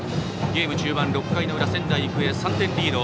ゲーム中盤、６回の裏仙台育英、３点リード。